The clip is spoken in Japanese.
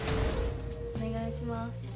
おねがいします。